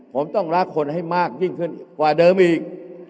ผมต้องรักคนให้มากยิ่งขึ้นกว่าเดิมอีก